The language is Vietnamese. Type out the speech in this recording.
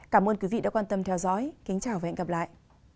cảm ơn quý vị đã quan tâm theo dõi kính chào và hẹn gặp lại